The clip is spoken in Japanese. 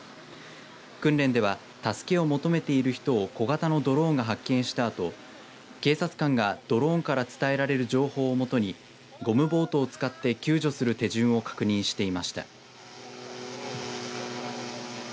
訓練では助けを求めている人を小型のドローンが発見したあと警察官がドローンから伝えられる情報をもとにゴムボートを使って救助する手順を確認していました。